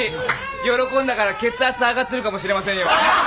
喜んだから血圧上がってるかもしれませんよ。